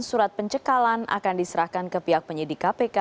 surat pencekalan akan diserahkan ke pihak penyidik kpk